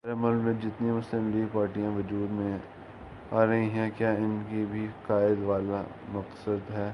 ہمارے ملک میں جتنی مسلم لیگ پارٹیاں وجود میں آرہی ہیں کیا انکا بھی قائد والا مقصد ہے